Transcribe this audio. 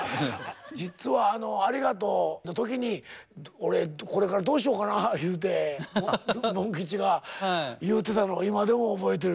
実は「ありがとう」の時に「俺これからどうしようかな」言うてモン吉が言うてたの今でも覚えてる。